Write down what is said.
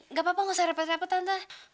gak apa apa gak usah repot repot tante